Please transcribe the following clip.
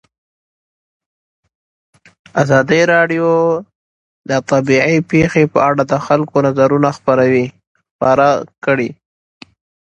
ازادي راډیو د طبیعي پېښې په اړه د خلکو نظرونه خپاره کړي.